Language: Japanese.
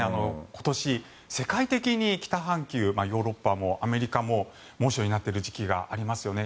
今年、世界的に北半球ヨーロッパもアメリカも猛暑になってる時期がありますよね。